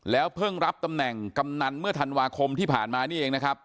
เพิ่งรับตำแหน่งกำนันเมื่อธันวาคมที่ผ่านมานี่เองนะครับ